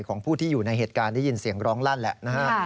ของผู้ที่อยู่ในเหตุการณ์ได้ยินเสียงร้องลั่นแหละนะฮะ